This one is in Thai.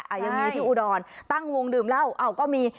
ยังมีที่อุดรตั้งวงดื่มเหล้าอ้าวก็มี